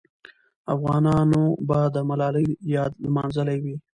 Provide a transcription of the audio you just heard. افغانانو به د ملالۍ یاد لمانځلی وي.